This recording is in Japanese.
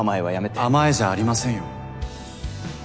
甘えじゃありませんよ。